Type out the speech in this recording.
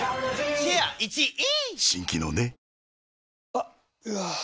あっ、うわー。